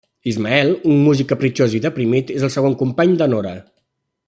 Ismael, un músic capritxós i deprimit, és el segon company de Nora.